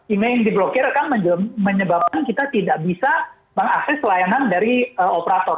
email yang diblokir akan menyebabkan kita tidak bisa mengakses layanan dari operator